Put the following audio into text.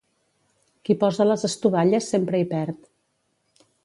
Qui posa les estovalles sempre hi perd.